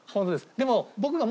でも。